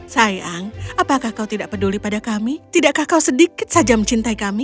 sayang apakah kau tidak peduli pada kami tidakkah kau sedikit saja mencintai kami